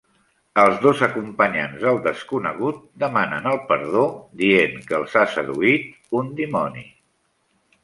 Els dos acompanyants del Desconegut demanen el perdó, dient que els ha seduït un dimoni.